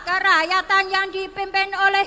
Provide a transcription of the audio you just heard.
kerakyatan yang dipimpin oleh